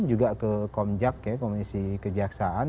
juga ke komjak ya komisi kejaksaan